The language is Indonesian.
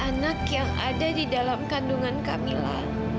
anak yang ada di dalam kandungan camilla